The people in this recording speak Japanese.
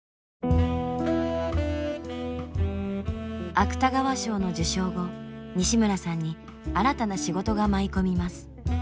芥川賞の受賞後西村さんに新たな仕事が舞い込みます。